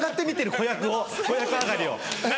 子役上がりを！